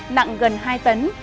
nặng gần hai tấn